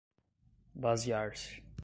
basear-se